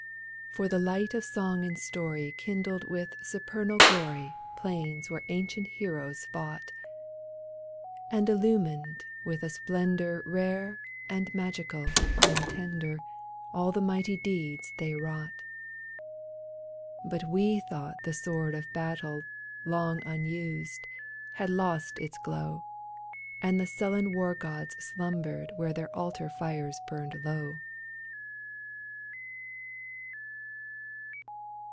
For the light of song and story Kindled with supernal glory Plains where ancient heroes fought ; And illumined, with a splendor Rare and magical and tender. All the mighty deeds they wrought. But we thought the sword of battle. Long unused, had lost its glow, And the sullen war gods slumbered Where their altar fires burned low